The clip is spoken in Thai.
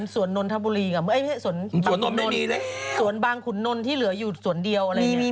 ส่วนนนทบุรีกับสวนบางขุนนที่เหลืออยู่สวนเดียวอะไรอย่างนี้